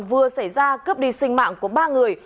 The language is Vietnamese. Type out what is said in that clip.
vừa xảy ra cướp đi sinh mạng của ba người